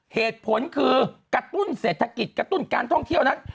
เหตุผลคือกระตุ้นเศรษฐกิจกระตุ้นการท่องเที่ยวนั้น